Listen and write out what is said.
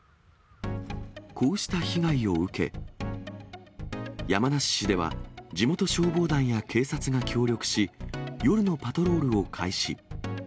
こうした被害を受け、山梨市では地元消防団や警察が協力し、夜のパトロールを開始。